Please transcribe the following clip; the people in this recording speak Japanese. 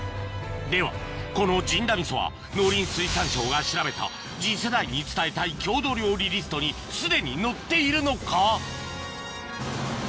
ではこのじんだ味噌は農林水産省が調べた次世代に伝えたい郷土料理リストにすでに載っているのか？